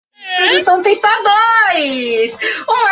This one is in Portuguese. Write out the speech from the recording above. Estou saindo em maio, estou saindo.